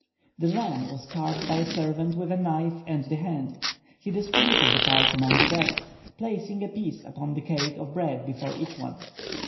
The lamb was carved by a servant with a knife and the hand; he distributed the parts among the guests, placing a piece upon the cake of bread before each one.